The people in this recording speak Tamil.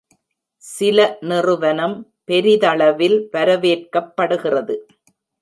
சில நிறுவனம் பெரிதளவில் வரவேற்கப்படுகிறது.